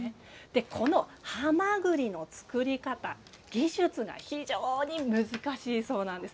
この、はまぐりの作り方技術が非常に難しいそうなんです。